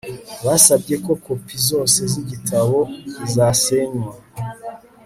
basabye ko kopi zose z'igitabo zasenywa